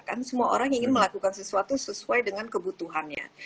kan semua orang ingin melakukan sesuatu sesuai dengan kebutuhannya